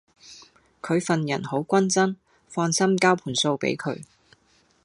佢份人好均真，放心交盤數比佢